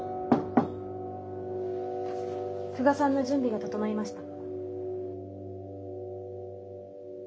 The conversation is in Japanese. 久我さんの準備が整いました。